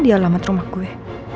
di alamat rumah gue